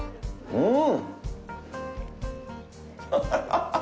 うん！